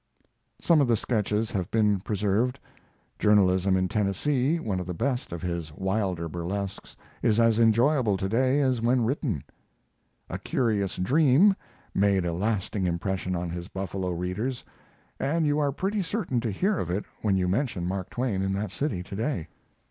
Some of the sketches have been preserved. "Journalism in Tennessee," one of the best of his wilder burlesques, is as enjoyable to day as when written. "A Curious Dream" made a lasting impression on his Buffalo readers, and you are pretty certain to hear of it when you mention Mark Twain in that city to day.